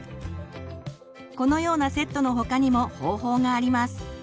このようなセットの他にも方法があります。